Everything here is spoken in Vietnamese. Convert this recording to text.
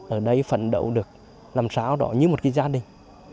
ở đây phận đấu được làm sao đó như một cái gia đình